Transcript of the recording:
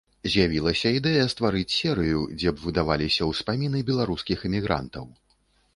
З'явілася ідэя стварыць серыю, дзе б выдаваліся ўспаміны беларускіх эмігрантаў.